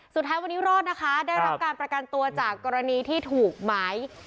สุดท้ายวันนี้รอดนะคะได้รับการประกันตัวจากกรณีที่ถูกหมาย